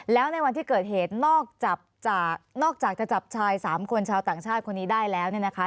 แล้วในวันที่เกิดเหตุนอกจากจะนอกจากจะจับชาย๓คนชาวต่างชาติคนนี้ได้แล้วเนี่ยนะคะ